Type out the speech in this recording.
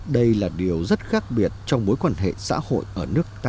đây là điều rất khác biệt trong mối quan hệ xã hội ở nước ta